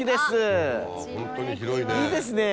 いいですね